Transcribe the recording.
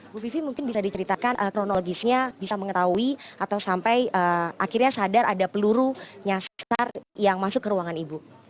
bu vivi mungkin bisa diceritakan kronologisnya bisa mengetahui atau sampai akhirnya sadar ada peluru nyasar yang masuk ke ruangan ibu